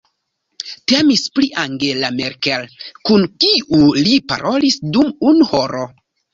Temis pri Angela Merkel, kun kiu li parolis dum unu horo.